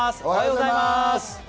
おはようございます。